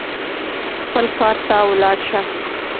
خپل کار ته ولاړ سه.